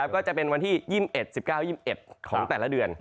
ก็จะเป็นวันที่๒๑๑๙๒๑ของแต่ละเดือน